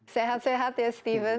sehat sehat ya steven